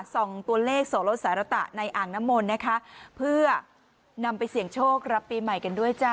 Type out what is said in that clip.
ส่งตัวเลขโสลดสารตะในอ่างน้ำมนต์นะคะเพื่อนำไปเสี่ยงโชครับปีใหม่กันด้วยจ้ะ